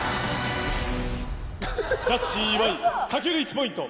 ジャッジ岩井、かける１ポイント